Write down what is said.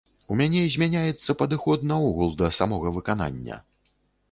У мяне змяняецца падыход наогул да самога выканання.